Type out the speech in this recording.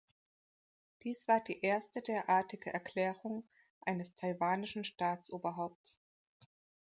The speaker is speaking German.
Dies war die erste derartige Erklärung eines taiwanischen Staatsoberhaupts.